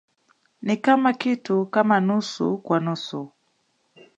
Ni kama kitu kama nusu kwa nusu